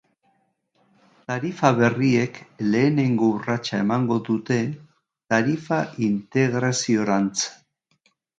Tarifa berriek lehenengo urratsa emango dute tarifa-integraziorantz.